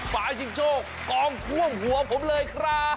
ชิงโชคกองท่วมหัวผมเลยครับ